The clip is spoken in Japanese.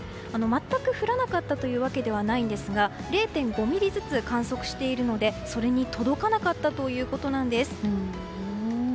全く降らなかったというわけではないんですが０．５ミリずつ観測しているのでそれに届かなかったということなんです。